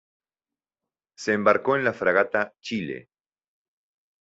Se embarcó en la fragata "Chile".